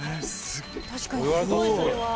確かにすごいそれは。